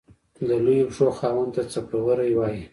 د لويو پښو خاوند ته څپړورے وائي۔